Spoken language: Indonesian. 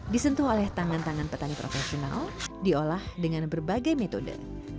disentuh oleh tangan tangan petani profesional diolah dengan berbagai metode